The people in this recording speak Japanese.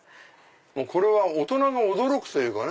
これは大人が驚くというかね。